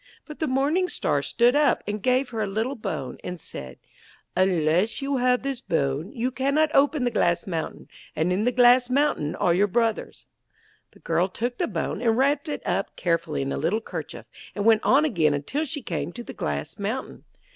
But the Morning Star stood up, and gave her a little bone, and said: 'Unless you have this bone, you cannot open the glass mountain, and in the glass mountain are your brothers.' The girl took the bone, and wrapped it up carefully in a little kerchief, and went on again until she came to the glass mountain.